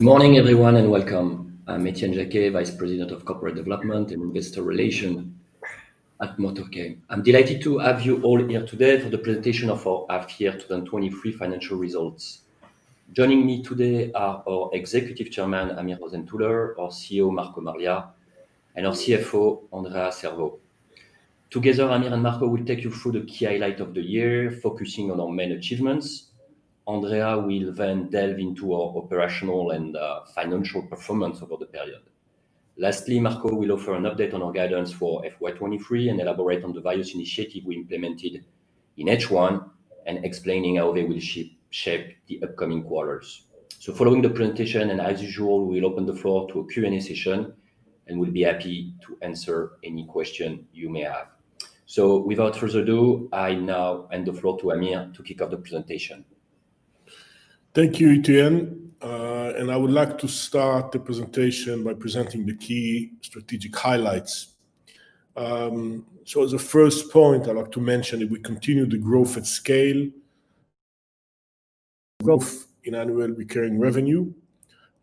Good morning, everyone, and welcome. I'm Etienne Jacquet, Vice President of Corporate Development and Investor Relations at MotorK. I'm delighted to have you all here today for the presentation of our H1 2023 financial results. Joining me today are our Executive Chairman, Amir Rosentuler, our CEO, Marco Marlia, and our CFO, Andrea Servo. Together, Amir and Marco will take you through the key highlights of the year, focusing on our main achievements. Andrea will delve into our operational and financial performance over the period. Lastly, Marco will offer an update on our guidance for FY 2023 and elaborate on the various initiatives we implemented in H1, and explaining how they will shape the upcoming quarters. Following the presentation, and as usual, we'll open the floor to a Q&A session, and we'll be happy to answer any question you may have. Without further ado, I now hand the floor to Amir to kick off the presentation. Thank you, Etienne. I would like to start the presentation by presenting the key strategic highlights. As a first point, I'd like to mention that we continue the growth at scale, growth in annual recurring revenue,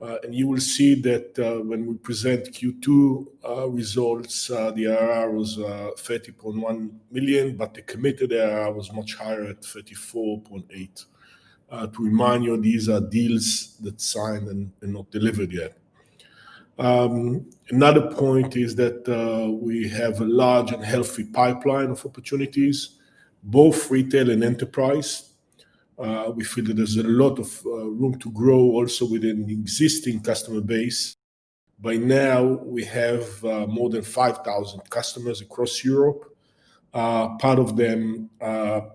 and you will see that when we present Q2 results, the ARR was 30.1 million, but the Committed ARR was much higher at 34.8 million. To remind you, these are deals that signed and not delivered yet. Another point is that we have a large and healthy pipeline of opportunities, both retail and enterprise. We feel that there's a lot of room to grow also within the existing customer base. By now, we have more than 5,000 customers across Europe. Part of them are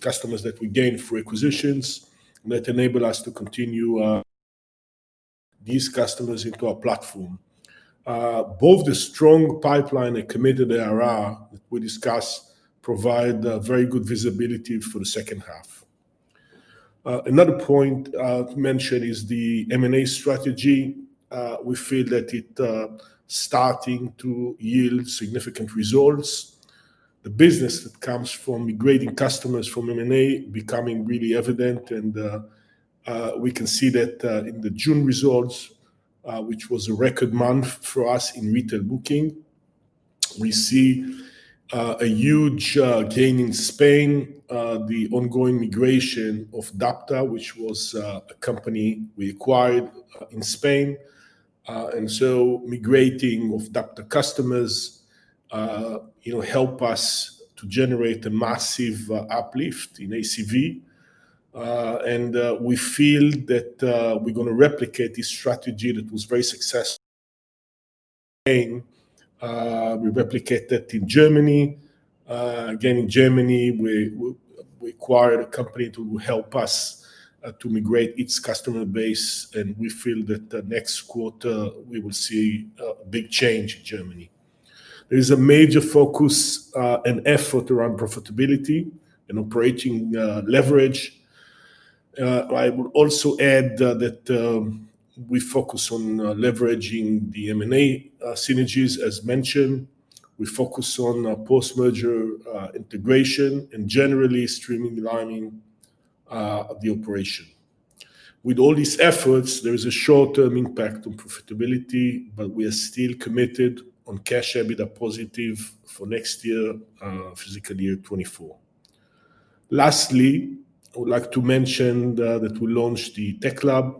customers that we gained through acquisitions, that enable us to continue these customers into our platform. Both the strong pipeline and Committed ARR that we discuss provide very good visibility for the H2. Another point I'll mention is the M&A strategy. We feel that it starting to yield significant results. The business that comes from migrating customers from M&A becoming really evident, and we can see that in the June results, which was a record month for us in retail booking, we see a huge gain in Spain, the ongoing migration of Dapda, which was a company we acquired in Spain. Migrating of Dapda customers, you know, help us to generate a massive uplift in ACV. We feel that we're gonna replicate this strategy that was very successful. We replicate that in Germany. Again, in Germany, we, we, we acquired a company to help us to migrate its customer base, and we feel that the next quarter, we will see a big change in Germany. There is a major focus and effort around profitability and operating leverage. I would also add that we focus on leveraging the M&A synergies as mentioned. We focus on post-merger integration and generally streamlining the operation. With all these efforts, there is a short-term impact on profitability, but we are still committed on Cash EBITDA positive for next year, fiscal year 2024. Lastly, I would like to mention that we launched the Tech LABS,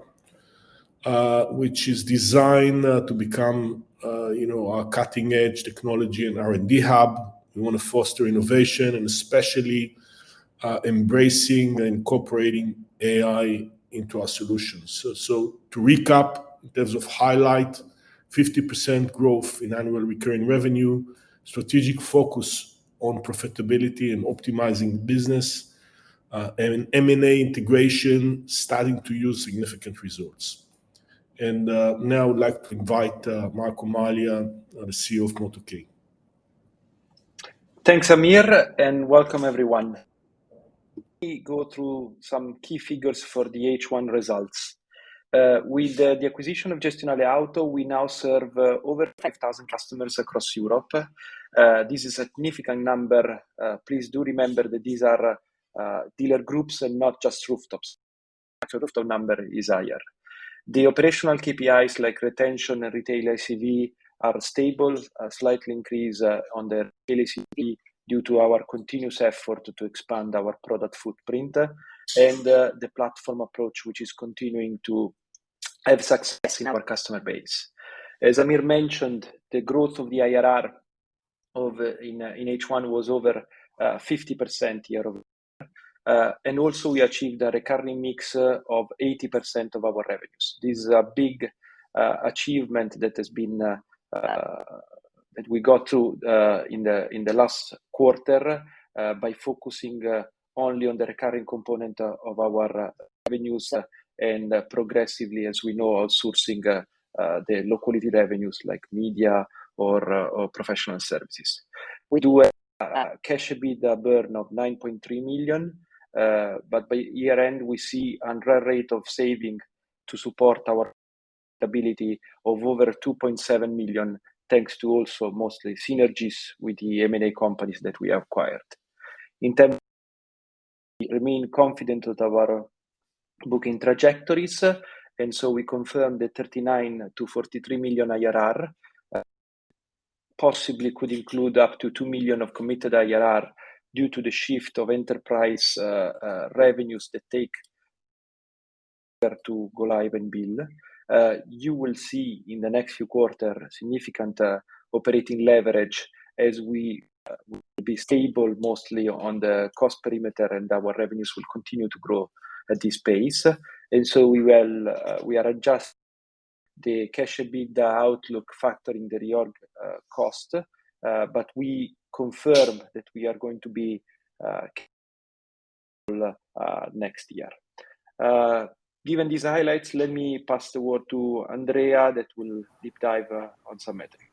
which is designed to become, you know, our cutting-edge technology and R&D hub. We want to foster innovation and especially embracing and incorporating AI into our solutions. To recap, in terms of highlight, 50% growth in annual recurring revenue, strategic focus on profitability and optimizing business, and M&A integration starting to yield significant results. Now I would like to invite Marco Marlia, the CEO of MotorK. Thanks, Amir. Welcome everyone. Let me go through some key figures for the H1 results. With the acquisition of GestionaleAuto.com, we now serve over 5,000 customers across Europe. This is a significant number. Please do remember that these are dealer groups and not just rooftops. Actual rooftop number is higher. The operational KPIs like retention and retail ACV are stable, a slight increase on the ACV due to our continuous effort to expand our product footprint, and the platform approach, which is continuing to have success in our customer base. As Amir mentioned, the growth of the ARR in H1 was over 50% year-over-year. Also, we achieved a recurring mix of 80% of our revenues. This is a big achievement that has been that we got to in the last quarter by focusing only on the recurring component of our revenues, and progressively, as we know, outsourcing the low-quality revenues like media or professional services. We do a Cash EBITDA burn of 9.3 million, by year-end, we see an ARR rate of saving to support our stability of over 2.7 million, thanks to also mostly synergies with the M&A companies that we acquired. We remain confident of our booking trajectories, we confirm the 39 million-43 million ARR, possibly could include up to 2 million of Committed ARR due to the shift of enterprise revenues that take to go live and bill. You will see in the next few quarter, significant operating leverage as we will be stable mostly on the cost perimeter, and our revenues will continue to grow at this pace. We will, we are adjusting the cash EBITDA outlook factor in the reorg cost, but we confirm that we are going to be next year. Given these highlights, let me pass the word to Andrea, that will deep dive on some metric.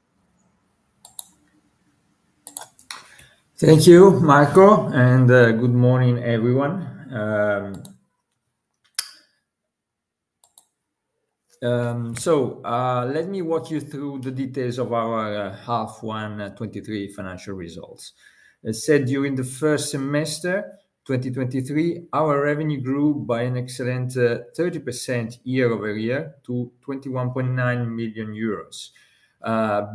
Thank you, Marco. Good morning, everyone. Let me walk you through the details of our H1 2023 financial results. As said, during the first semester, 2023, our revenue grew by an excellent 30% year-over-year to 21.9 million euros.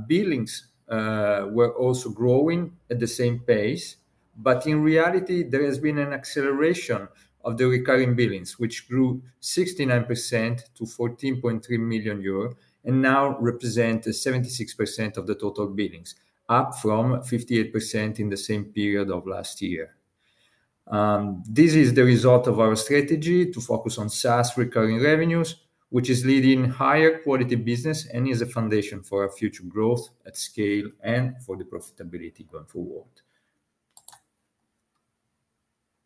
Billings were also growing at the same pace, but in reality, there has been an acceleration of the recurring billings, which grew 69% to 14.3 million euros, and now represent 76% of the total billings, up from 58% in the same period of last year. This is the result of our strategy to focus on SaaS recurring revenues, which is leading higher quality business and is a foundation for our future growth at scale and for the profitability going forward.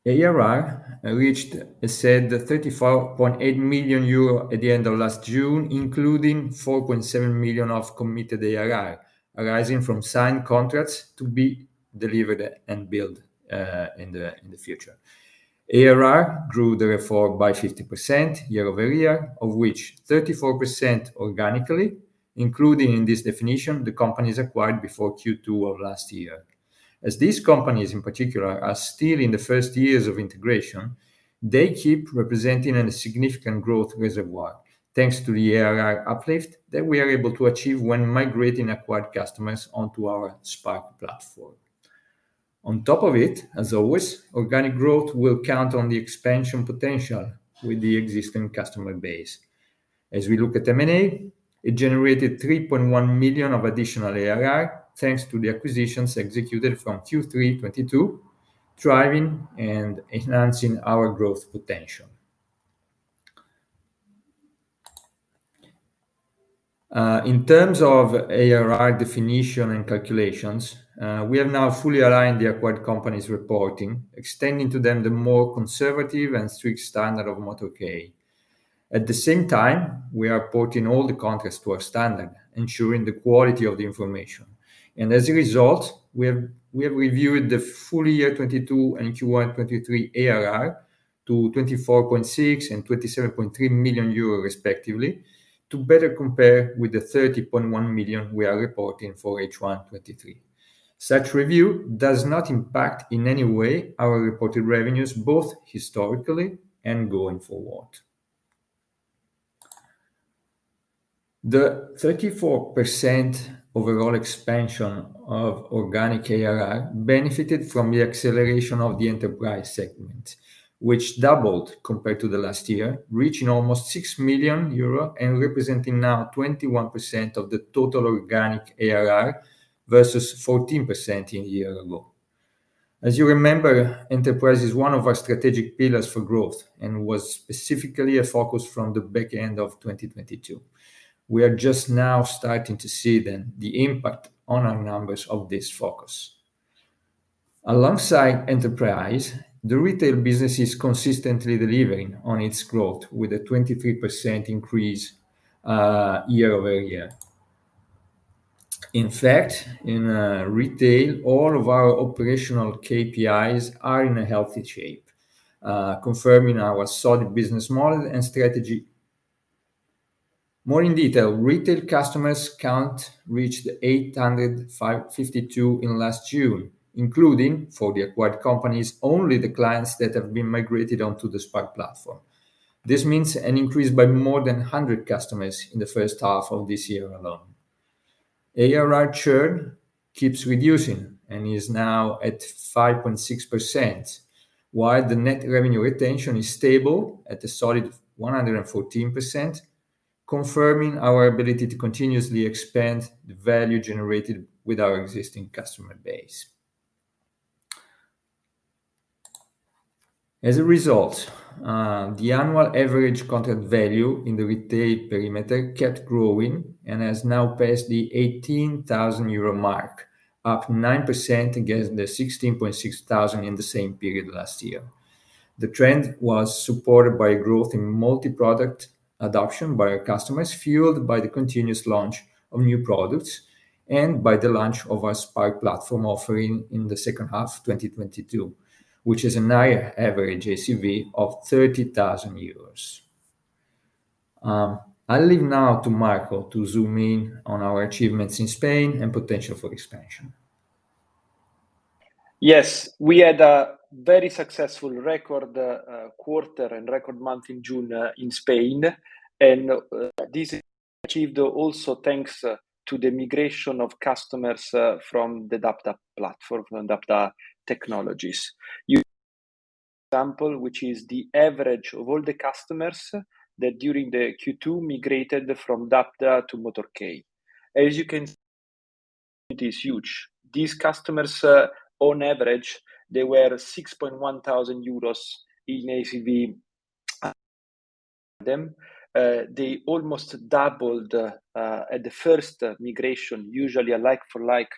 ARR reached, as said, 34.8 million euro at the end of last June, including 4.7 million of committed ARR, arising from signed contracts to be delivered and billed in the future. ARR grew therefore, by 50% year-over-year, of which 34% organically, including in this definition, the companies acquired before Q2 of last year. As these companies, in particular, are still in the first years of integration, they keep representing a significant growth reservoir, thanks to the ARR uplift that we are able to achieve when migrating acquired customers onto our SparK platform. On top of it, as always, organic growth will count on the expansion potential with the existing customer base. As we look at M&A, it generated 3.1 million of additional ARR, thanks to the acquisitions executed from Q3 2022, driving and enhancing our growth potential. In terms of ARR definition and calculations, we have now fully aligned the acquired company's reporting, extending to them the more conservative and strict standard of MotorK. At the same time, we are porting all the contracts to our standard, ensuring the quality of the information. As a result, we have reviewed the full year 2022 and Q1 2023 ARR to 24.6 million and 27.3 million euros, respectively, to better compare with the 30.1 million we are reporting for H1 2023. Such review does not impact in any way our reported revenues, both historically and going forward. The 34% overall expansion of organic ARR benefited from the acceleration of the enterprise segment, which doubled compared to the last year, reaching almost 6 million euro and representing now 21% of the total organic ARR versus 14% in year ago. As you remember, enterprise is one of our strategic pillars for growth and was specifically a focus from the back end of 2022. We are just now starting to see then the impact on our numbers of this focus. Alongside enterprise, the retail business is consistently delivering on its growth, with a 23% increase year-over-year. In fact, in retail, all of our operational KPIs are in a healthy shape, confirming our solid business model and strategy. More in detail, retail customers count reached 852 in last June, including for the acquired companies, only the clients that have been migrated onto the SparK platform. This means an increase by more than 100 customers in the H1 of this year alone. ARR churn keeps reducing and is now at 5.6%, while the net revenue retention is stable at a solid 114%, confirming our ability to continuously expand the value generated with our existing customer base. As a result, the annual average content value in the retail perimeter kept growing and has now passed the 18,000 euro mark, up 9% against the 16.6 thousand in the same period last year. The trend was supported by growth in multi-product adoption by our customers, fueled by the continuous launch of new products and by the launch of our SparK platform offering in the H2 of 2022, which is a higher average ACV of 30,000 euros. I leave now to Marco to zoom in on our achievements in Spain and potential for expansion. Yes, we had a very successful record quarter and record month in June in Spain. This achieved also thanks to the migration of customers from the Dapda platform, the Dapda technologies. Which is the average of all the customers that during the Q2 migrated from Dapda to MotorK. As you can, it is huge. These customers, on average, they were 6,100 euros in ACV. They almost doubled at the first migration, usually a like-for-like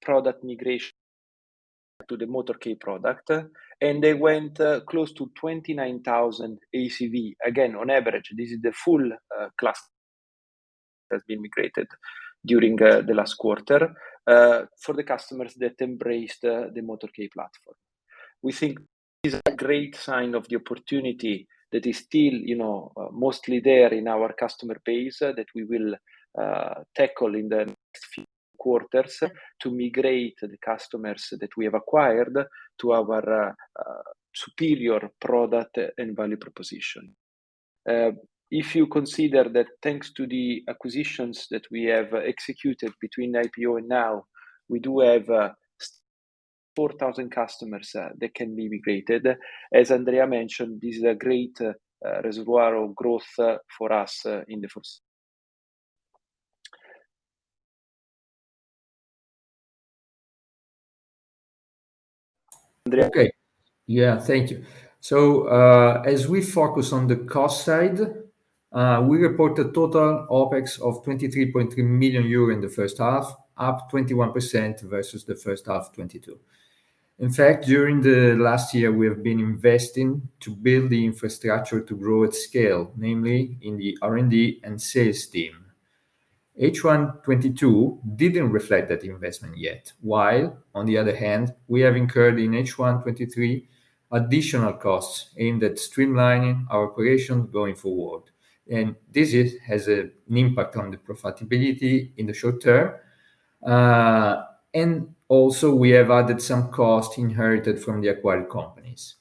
product migration to the MotorK product. They went close to 29,000 ACV. Again, on average, this is the full class that has been migrated during the last quarter for the customers that embraced the MotorK platform. We think this is a great sign of the opportunity that is still, you know, mostly there in our customer base, that we will tackle in the next few quarters to migrate the customers that we have acquired to our superior product and value proposition. If you consider that thanks to the acquisitions that we have executed between IPO and now, we do have 4,000 customers that can be migrated. As Andrea mentioned, this is a great reservoir of growth for us in the first. Andrea? Okay. Yeah, thank you. As we focus on the cost side, we report a total OpEx of 23.3 million euro in H1, up 21% versus H1 2022. In fact, during the last year, we have been investing to build the infrastructure to grow at scale, namely in the R&D and sales team. H1 2022 didn't reflect that investment yet, while on the other hand, we have incurred in H1 2023, additional costs aimed at streamlining our operations going forward, and this has an impact on the profitability in the short term. Also, we have added some costs inherited from the acquired companies.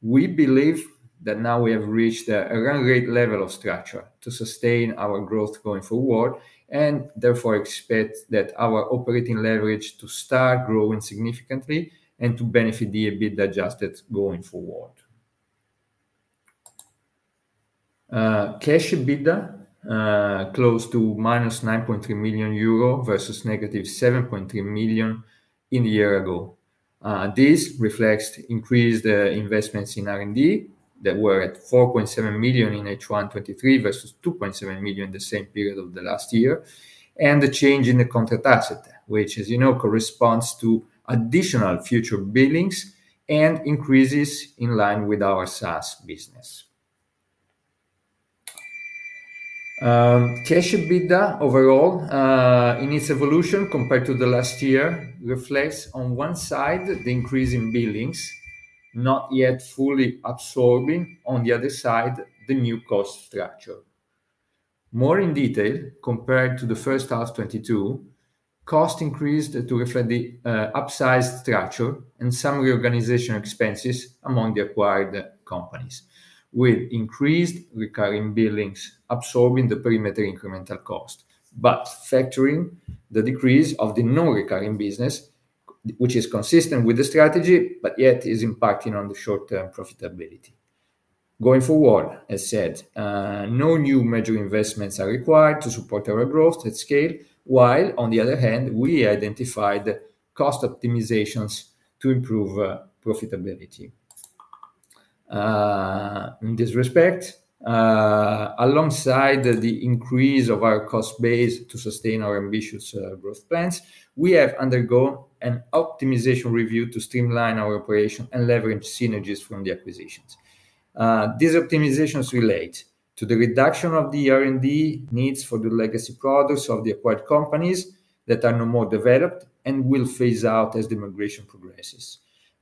We believe that now we have reached a great level of structure to sustain our growth going forward, and therefore expect that our operating leverage to start growing significantly and to benefit the Adjusted EBITDA going forward. Cash EBITDA close to -9.3 million euro versus -7.3 million in the year ago. This reflects increased investments in R&D that were at 4.7 million in H1 2023 versus 2.7 million in the same period of 2022, and the change in the contract asset, which, as you know, corresponds to additional future billings and increases in line with our SaaS business. Cash EBITDA overall, in its evolution compared to 2022, reflects on one side, the increase in billings, not yet fully absorbing, on the other side, the new cost structure. More in detail, compared to the H1 2022, cost increased to reflect the, upsized structure and some reorganization expenses among the acquired companies, with increased recurring billings absorbing the perimeter incremental cost. Factoring the decrease of the non-recurring business, which is consistent with the strategy, but yet is impacting on the short-term profitability. Going forward, as said, no new major investments are required to support our growth at scale, while on the other hand, we identified cost optimizations to improve, profitability. In this respect, alongside the increase of our cost base to sustain our ambitious, growth plans, we have undergone an optimization review to streamline our operation and leverage synergies from the acquisitions. These optimizations relate to the reduction of the R&D needs for the legacy products of the acquired companies that are no more developed and will phase out as the migration progresses.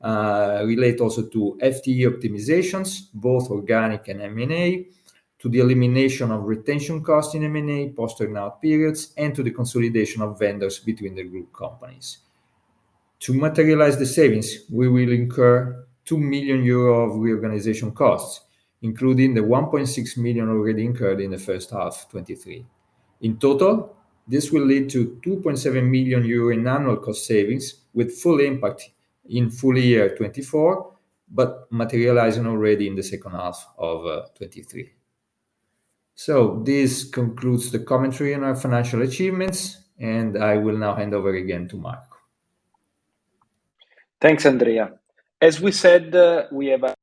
Relate also to FTE optimizations, both organic and M&A, to the elimination of retention costs in M&A, posting out periods, and to the consolidation of vendors between the group companies. To materialize the savings, we will incur 2 million euros of reorganization costs, including the 1.6 million already incurred in the H1 of 2023. In total, this will lead to 2.7 million euros in annual cost savings, with full impact in full year 2024, but materializing already in the H2 of 2023. This concludes the commentary on our financial achievements, and I will now hand over again to Marco. Thanks, Andrea. As we said, we have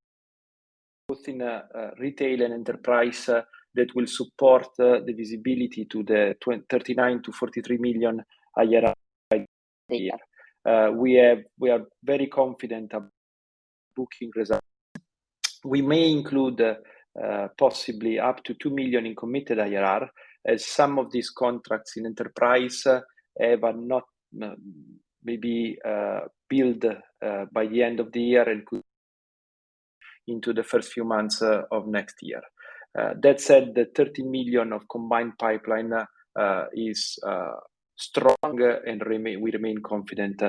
both in retail and enterprise that will support the visibility to the 39 million-43 million ARR. We are very confident of booking results. We may include possibly up to 2 million in Committed ARR, as some of these contracts in enterprise but not maybe billed by the end of the year and could into the first few months of next year. That said, the 13 million of combined pipeline is strong, and we remain confident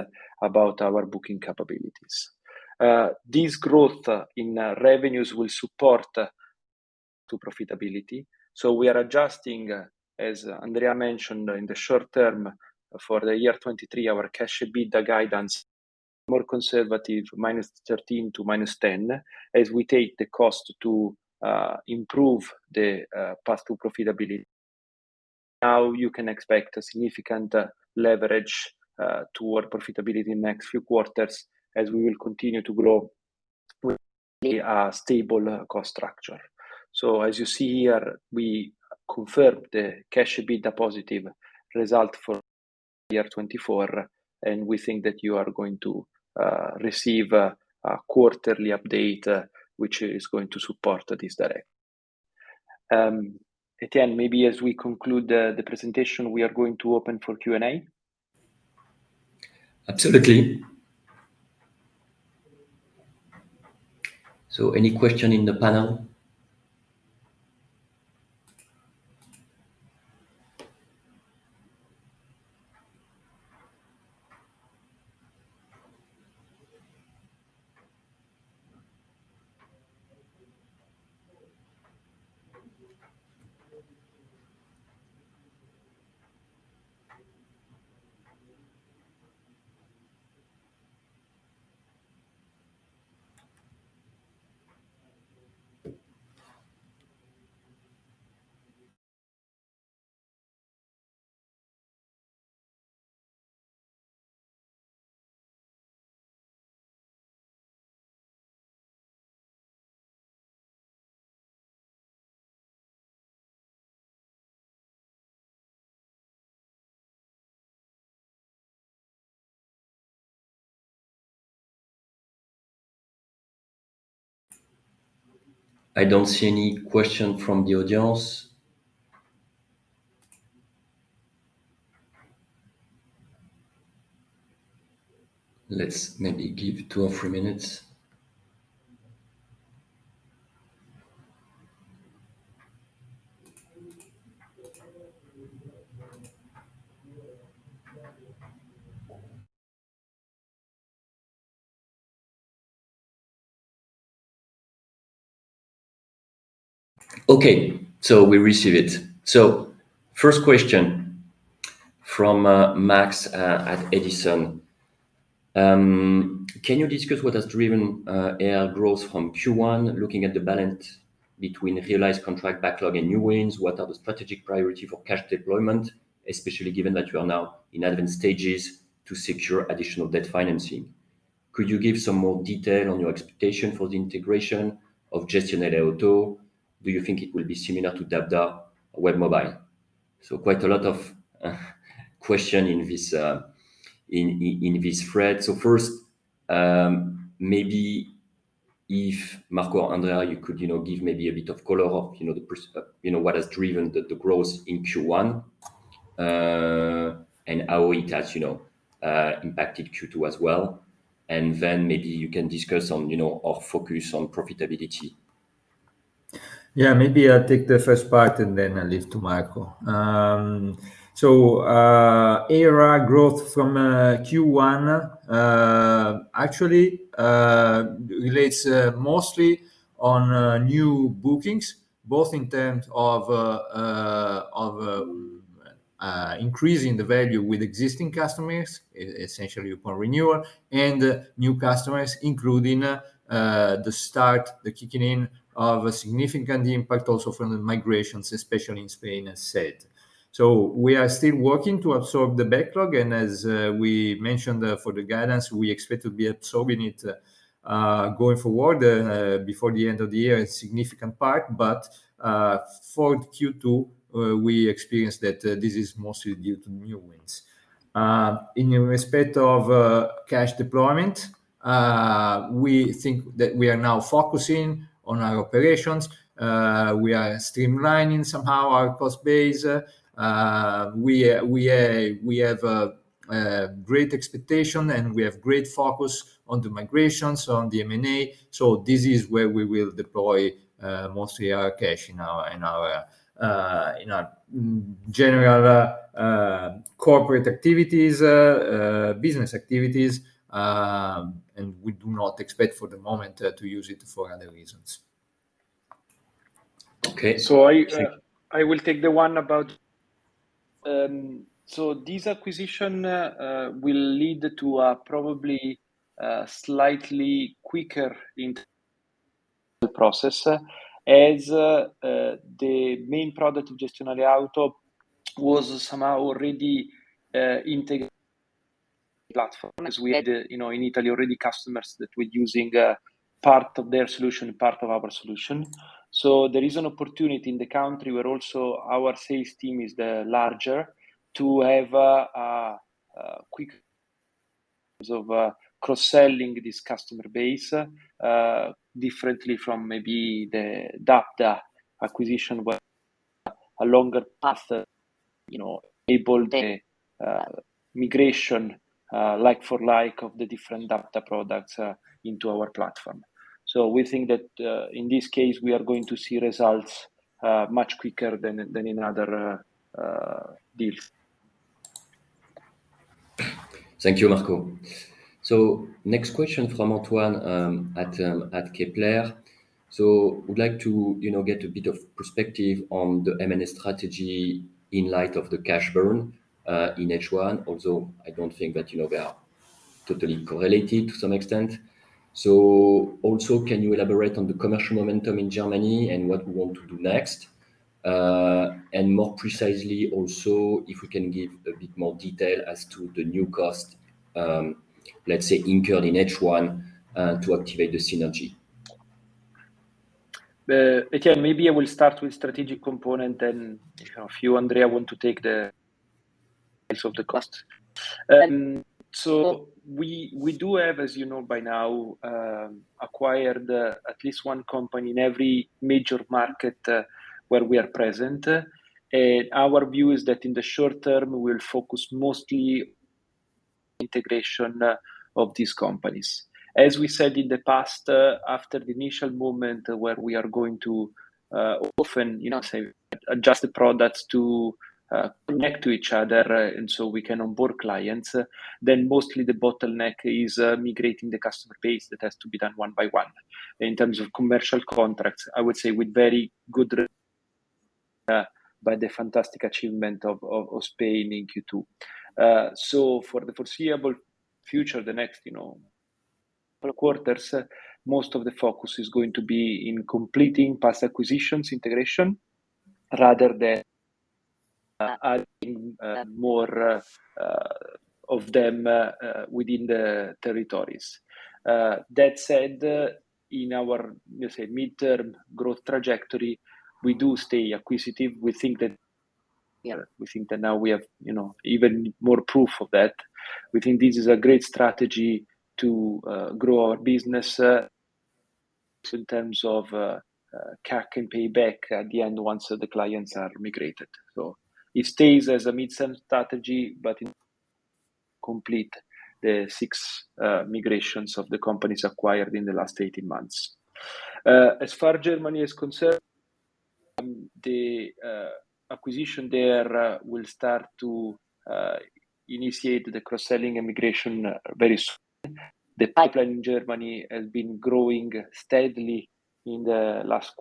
about our booking capabilities. This growth in revenues will support to profitability. We are adjusting, as Andrea mentioned, in the short term, for the year 2023, our Cash EBITDA guidance, more conservative, -13 to -10, as we take the cost to improve the path to profitability. Now, you can expect a significant leverage toward profitability in the next few quarters as we will continue to grow with a stable cost structure. As you see here, we confirmed the Cash EBITDA positive result for the year 2024, and we think that you are going to receive a quarterly update which is going to support this data. Etienne, maybe as we conclude the presentation, we are going to open for Q&A? Absolutely. Any question in the panel? I don't see any question from the audience. Let's maybe give two or three minutes. Okay, we receive it. First question from Max at Edison. Can you discuss what has driven AR growth from Q1, looking at the balance between realized contract backlog and new wins? What are the strategic priority for cash deployment, especially given that you are now in advanced stages to secure additional debt financing? Could you give some more detail on your expectation for the integration of Gestionale Auto? Do you think it will be similar to Dapda WebMobil24? Quite a lot of, question in this, in this thread. First, maybe if Marco or Andrea, you could, you know, give maybe a bit of color of, you know, what has driven the, the growth in Q1, and how it has, you know, impacted Q2 as well. Then maybe you can discuss on, you know, our focus on profitability. Yeah, maybe I'll take the first part, and then I'll leave to Marco. AR growth from Q1 actually relates mostly on new bookings, both in terms of increasing the value with existing customers, e-essentially upon renewal, and new customers, including the start, the kicking in of a significant impact also from the migrations, especially in Spain, as said. We are still working to absorb the backlog, and as we mentioned for the guidance, we expect to be absorbing it going forward before the end of the year, a significant part, but for Q2, we experienced that this is mostly due to new wins. In respect of cash deployment, we think that we are now focusing on our operations. We are streamlining somehow our cost base. We have a great expectation, and we have great focus on the migrations, on the M&A. This is where we will deploy mostly our cash in our, in our, in our general corporate activities, business activities, and we do not expect for the moment to use it for other reasons. Okay. I, I will take the one about... This acquisition will lead to a probably slightly quicker in the process, as the main product of Gestionale Auto was somehow already integrated platform. As we had, you know, in Italy, already customers that were using part of their solution and part of our solution. There is an opportunity in the country, where also our sales team is the larger, to have a quick of cross-selling this customer base, differently from maybe the Dapda acquisition, a longer path, you know, able the migration, like for like of the different Dapda products into our platform. We think that, in this case, we are going to see results much quicker than, than in other deals. Thank you, Marco. Next question from Antoine, at Kepler. Would like to, you know, get a bit of perspective on the M&A strategy in light of the cash burn in H1, although I don't think that, you know, they are totally correlated to some extent. Also, can you elaborate on the commercial momentum in Germany and what we want to do next? And more precisely also, if we can give a bit more detail as to the new cost, let's say, incurred in H1 to activate the synergy. Okay, maybe I will start with strategic component, if you, Andrea, want to take the rest of the costs. We, we do have, as you know by now, acquired at least one company in every major market where we are present. Our view is that in the short term, we'll focus mostly integration of these companies. As we said in the past, after the initial moment where we are going to often, you know, say, adjust the products to connect to each other, so we can onboard clients, then mostly the bottleneck is migrating the customer base. That has to be done one by one. In terms of commercial contracts, I would say with very good by the fantastic achievement of Spain in Q2. For the foreseeable future, the next, you know, 4 quarters, most of the focus is going to be in completing past acquisitions integration, rather than adding more of them within the territories. That said, in our, let's say, midterm growth trajectory, we do stay acquisitive. We think that now we have, you know, even more proof of that. We think this is a great strategy to grow our business in terms of CAC and payback at the end, once the clients are migrated. It stays as a mid-term strategy, but complete the six migrations of the companies acquired in the last 18 months. As far Germany is concerned, the acquisition there will start to initiate the cross-selling migration very soon. The pipeline in Germany has been growing steadily in the last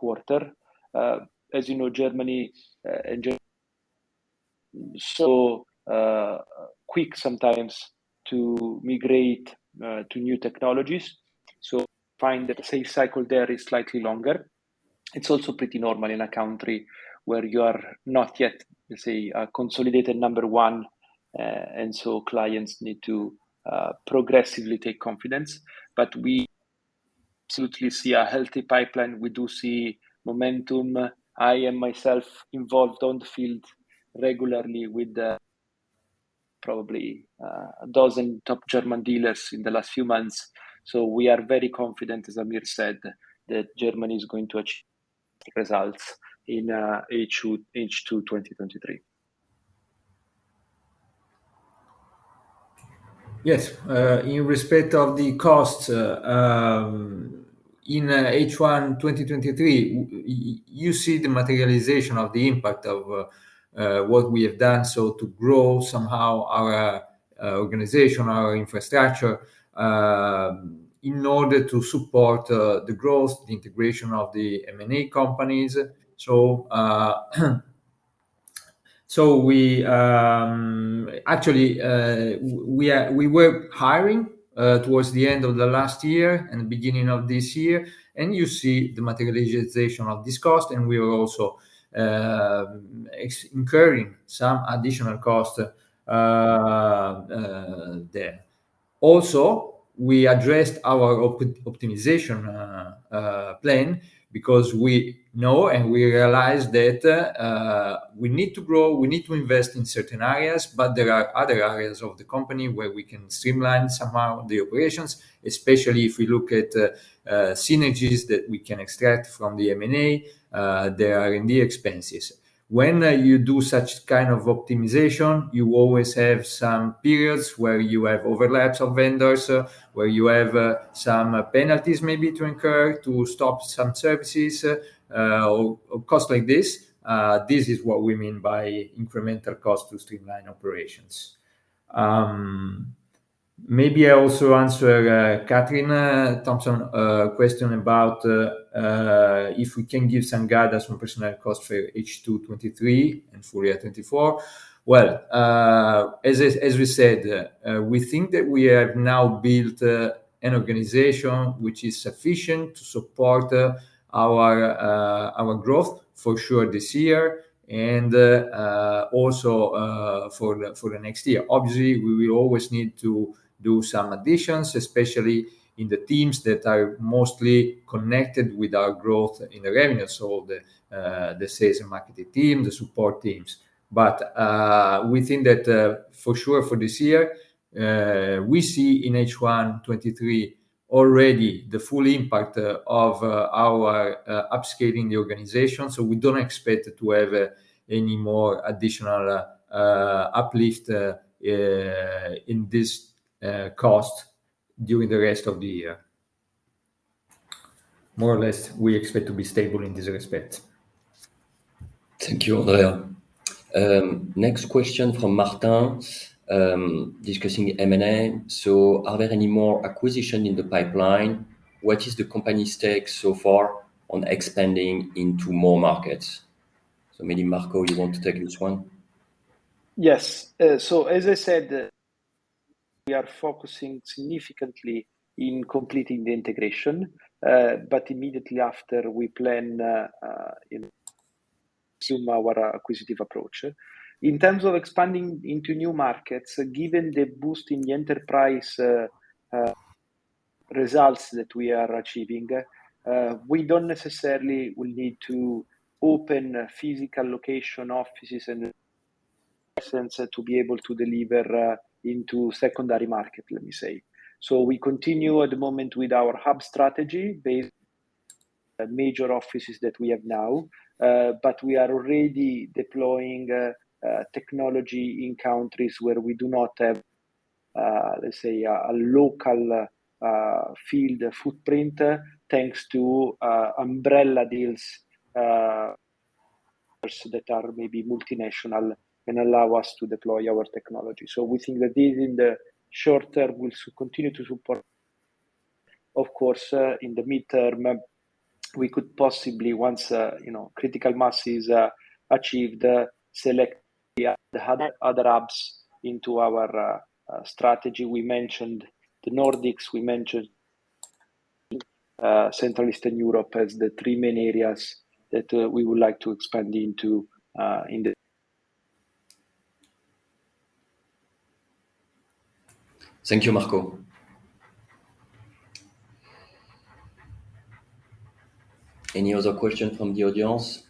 quarter. As you know, Germany, quick sometimes to migrate to new technologies, find the sales cycle there is slightly longer. It's also pretty normal in a country where you are not yet, let's say, a consolidated number one, clients need to progressively take confidence. We absolutely see a healthy pipeline. We do see momentum. I am myself involved on the field regularly with probably 12 top German dealers in the last few months, we are very confident, as Amir said, that Germany is going to achieve results in H2 2023. Yes. In respect of the costs, in H1 2023, you see the materialization of the impact of what we have done, so to grow somehow our organization, our infrastructure, in order to support the growth, the integration of the M&A companies. Actually, we were hiring towards the end of the last year and the beginning of this year, and you see the materialization of this cost, and we are also incurring some additional cost there. We addressed our optimization plan because we know and we realize that we need to grow, we need to invest in certain areas, but there are other areas of the company where we can streamline somehow the operations, especially if we look at synergies that we can extract from the M&A, the R&D expenses. When you do such kind of optimization, you always have some periods where you have overlaps of vendors, where you have some penalties maybe to incur to stop some services, or costs like this. This is what we mean by incremental cost to streamline operations. Maybe I also answer Catherine Thompson question about if we can give some guidance on personnel cost for H2 2023 and full year 2024. Well, as, as we said, we think that we have now built an organization which is sufficient to support our, our growth for sure this year and also for, for the next year. Obviously, we will always need to do some additions, especially in the teams that are mostly connected with our growth in the revenue. The, the sales and marketing team, the support teams. We think that for sure for this year, we see in H1 2023 already the full impact of our upscaling the organization, so we don't expect to have any more additional uplift in this cost during the rest of the year. More or less, we expect to be stable in this respect. Thank you, Andrea. Next question from Martin, discussing M&A. Are there any more acquisition in the pipeline? What is the company's take so far on expanding into more markets? Maybe, Marco, you want to take this one? Yes. As I said, we are focusing significantly in completing the integration, but immediately after, we plan, you know, assume our acquisitive approach. In terms of expanding into new markets, given the boost in the enterprise results that we are achieving, we don't necessarily will need to open physical location offices and presence to be able to deliver into secondary market, let me say. We continue at the moment with our hub strategy based major offices that we have now, but we are already deploying technology in countries where we do not have, let me say, a local field footprint, thanks to umbrella deals that are maybe multinational and allow us to deploy our technology. We think that this, in the short term, will continue to support. Of course, in the midterm, we could possibly once, you know, critical mass is achieved, select the other, other hubs into our strategy. We mentioned the Nordics, we mentioned Central Eastern Europe as the three main areas that we would like to expand into. Thank you, Marco. Any other question from the audience?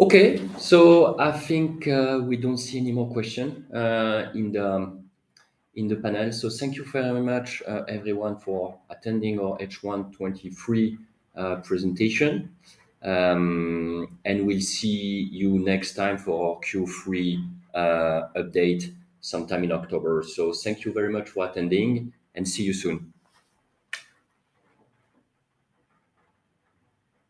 Okay. I think we don't see any more question in the panel. Thank you very much, everyone, for attending our H1 2023 presentation. And we'll see you next time for our Q3 update sometime in October. Thank you very much for attending, and see you soon.